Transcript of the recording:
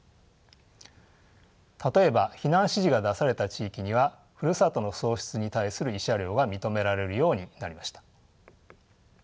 例えば避難指示が出された地域にはふるさとの喪失に対する慰謝料が認められるようになりました。